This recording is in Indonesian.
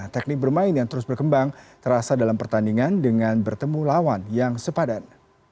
teknik bermain yang terus berkembang terasa dalam pertandingan dengan bertemu lawan yang sepadan